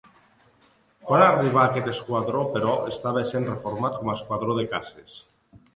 Quan arribà a aquest esquadró però, estava essent reformat com a esquadró de caces.